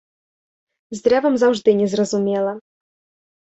З дрэвам заўжды незразумела.